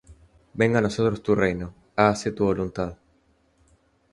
venga a nosotros tu reino; hágase tu voluntad